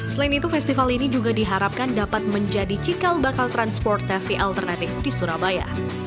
selain itu festival ini juga diharapkan dapat menjadi cikal bakal transportasi alternatif di surabaya